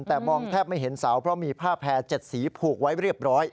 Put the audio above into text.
แต่มองแทบไม่เห็นเสาเพราะมีผ้าแพร่๗สีผูกไว้เรียบร้อย